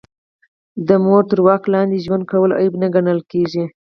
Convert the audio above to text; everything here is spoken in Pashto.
د مور تر واک لاندې ژوند کول عیب ګڼل کیږي